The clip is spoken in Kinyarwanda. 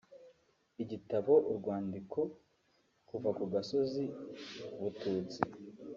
Igitabo 'Urwandiko kuva ku gasozi Bututsi'